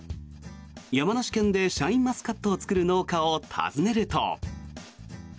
山梨県でシャインマスカットを作る農家を訪ねると。